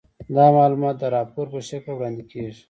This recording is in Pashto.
دا معلومات د راپور په شکل وړاندې کیږي.